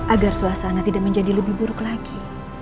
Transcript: agar suasana tidak menjadi lebih buruk lagi